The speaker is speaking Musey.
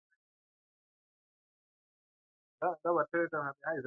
Tliyna li kagi zaali yoodi ni, edem u siiŋ eɗni hal maŋ wayaŋga eyew may.